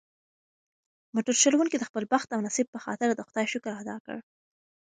موټر چلونکي د خپل بخت او نصیب په خاطر د خدای شکر ادا کړ.